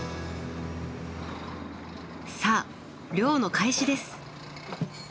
さあ漁の開始です。